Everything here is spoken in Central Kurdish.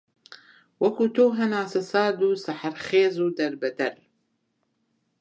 وەک تۆ هەناسەسەرد و سەحەرخێز و دەربەدەر